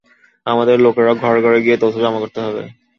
আমাদের লোকের ঘরে ঘরে গিয়ে তথ্য জমা করতে হবে।